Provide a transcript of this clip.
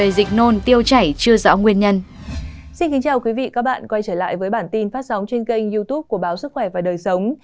xin chào quý vị và các bạn quay trở lại với bản tin phát sóng trên kênh youtube của báo sức khỏe và đời sống